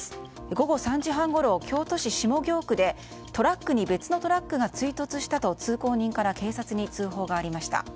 午後３時半ごろ、京都市下京区でトラックに別のトラックが追突したと通行人から警察に通報がありました。